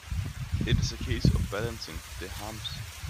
It is a case of balancing the harms.